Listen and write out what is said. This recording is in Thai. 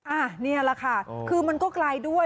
อันนี้แหละค่ะคือมันก็ไกลด้วย